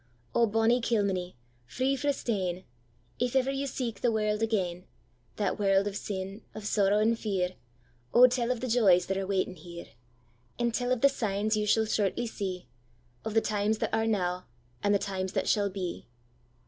'O bonnie Kilmeny! free frae stain, If ever you seek the world again, That world of sin, of sorrow and fear,O tell of the joys that are waiting here; And tell of the signs you shall shortly see; Of the times that are now, and the times that shall be.